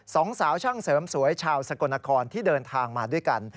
สองสาวช่างเสริมสวยชาวสกลนครที่เดินทางมาด้วยกัน